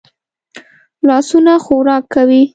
لاسونه خوراک کوي